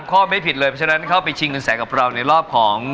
ข้อไม่ผิดเลยเพราะฉะนั้นเข้าไปชิงเงินแสนกับเราในรอบของ